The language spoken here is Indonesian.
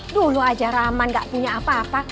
dulu aja rahman gak punya apa apa